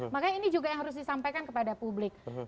makanya ini juga yang harus disampaikan kepada publik